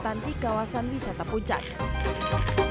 jalan ini mereka mengambil alat untuk menjaga kemampuan dan kemampuan